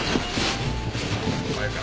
お前か。